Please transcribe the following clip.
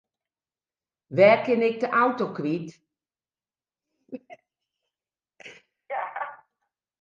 Wêr kin ik de auto kwyt?